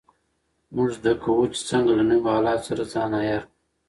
موږ زده کوو چې څنګه له نویو حالاتو سره ځان عیار کړو.